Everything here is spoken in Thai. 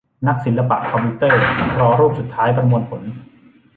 นักศิลปะคอมพิวเตอร์รอรูปสุดท้ายประมวลผล